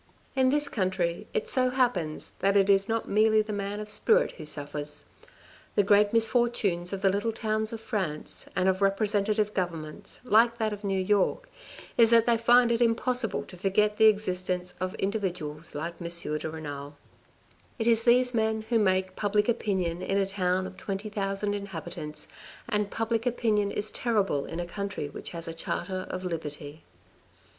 In this country it so happens that it is not merely the man of spirit who suffers. The great misfortunes of the little towns of France and of representative governments, like that of New York, is that they find it impossible to forget the existence of individuals like M. de Renal. It is these men who make public opinion in a town of twenty thousand inhabitants, and public opinion is terrible in a country which has a charter of liberty.